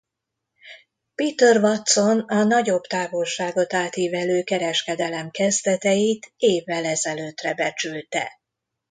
Peter Watson a nagyobb távolságot átívelő kereskedelem kezdeteit évvel ezelőttre becsülte.